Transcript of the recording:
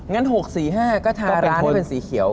งั้น๖๔๕ก็ทาร้านให้เป็นสีเขียว